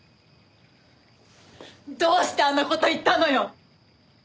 どうしてあんな事言ったのよ！